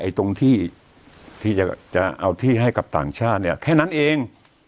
ตรงที่ที่จะเอาที่ให้กับต่างชาติเนี่ยแค่นั้นเอง